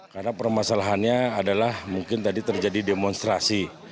karena permasalahannya adalah mungkin tadi terjadi demonstrasi